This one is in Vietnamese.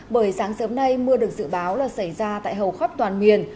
bởi sáng sớm nay mưa được dự báo là xảy ra tại hầu khắp toàn miền